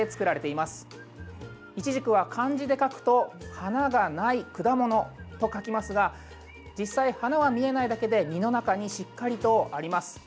いちじくは漢字で書くと花が無い果物と書きますが実際、花は見えないだけで実の中にしっかりとあります。